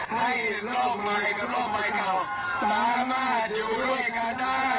ให้ร่วมใหม่กับร่วมใหม่เก่าสามารถอยู่ด้วยกันได้